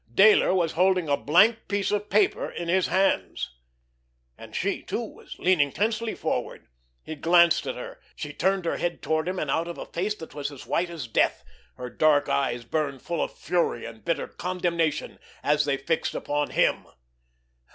Dayler was holding a blank piece of paper in his hands! And she, too, was leaning tensely forward. He glanced at her. She turned her head toward him; and out of a face that was as white as death, her dark eyes burned full of fury and bitter condemnation, as they fixed upon him.